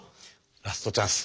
ラストチャンス